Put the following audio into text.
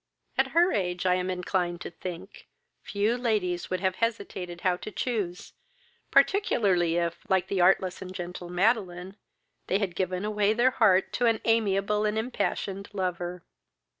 At her age, I am inclined to think, few young ladies would have hesitated how to choose, particularly if, like the artless and gentle Madeline, they had given away their heart to an amiable and impassioned lover.